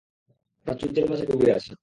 প্রাচুর্যের মাঝে ডুবে আছে।